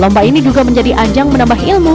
lomba ini juga menjadi ajang menambah ilmu